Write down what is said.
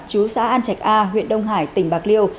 chú xã an trạch a huyện đông hải tỉnh bạc liêu